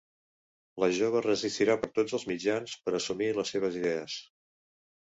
La jove resistirà per tots els mitjans per assumir les seves idees.